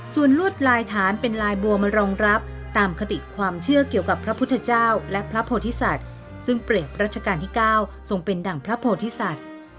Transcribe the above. ส่วนลวดลายฐานเป็นลายบัวมารองรับตามคติความเชื่อเกี่ยวกับพระพุทธเจ้าและพระโพธิสัตว์ซึ่งเปรตรัชกาลที่๙ทรงเป็นดั่งพระโพธิสัตว์